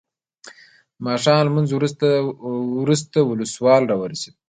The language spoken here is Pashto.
د ماښام لمونځ وروسته ولسوال راورسېد.